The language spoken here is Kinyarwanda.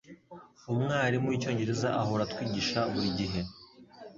Umwarimu wicyongereza ahora atwigisha burigihe.